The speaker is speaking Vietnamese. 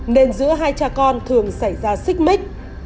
nên giữa hai cha con thường xảy ra xích mít